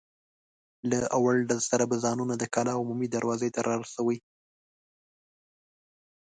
له اول ډز سره به ځانونه د کلا عمومي دروازې ته را رسوئ.